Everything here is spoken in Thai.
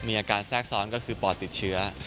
อาการแทรกซ้อนก็คือปอดติดเชื้อ